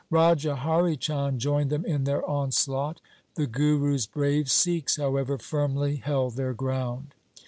Raja Hari Chand joined them in their onslaught. The Guru's brave Sikhs, how ever, firmly held their ground.